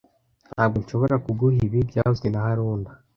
Ntabwo nshobora kuguha ibi byavuzwe na haruna